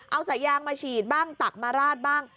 เอาสายยางมาฉีดบ้างตักมาราดบ้าง